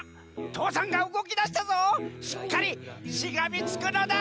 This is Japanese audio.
父山がうごきだしたぞしっかりしがみつくのだ！